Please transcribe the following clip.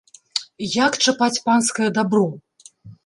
Як чапаць панскае дабро!